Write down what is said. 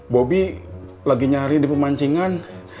bobi lagi nyari di pemancingan